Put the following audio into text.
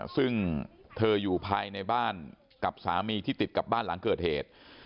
ซึ่งเธออยู่ภายในบ้านกับสามีที่ติดกับบ้านหลังเกิดเหตุ